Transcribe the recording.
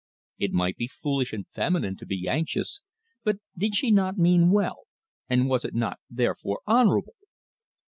It might be foolish and feminine to be anxious, but did she not mean well, and was it not, therefore, honourable?